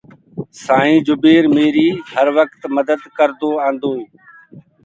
سآئيٚنٚ جُبير ميريٚ هر وڪت مَدَت ڪردو آنٚدوئي۔